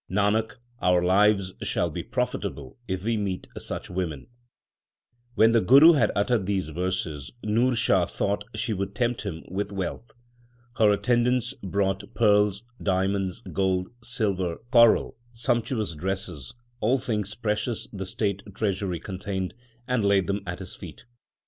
Nanak, our lives shall be profitable if we meet such women. 3 When the Guru had uttered these verses, Nurshah thought she would tempt him with wealth. Her attendants brought pearls, diamonds, gold, silver, coral, sumptuous dresses, all things precious the state treasury contained, and laid them at his feet.